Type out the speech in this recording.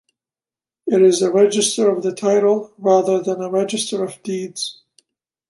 It is a register of the title rather than a register of deeds.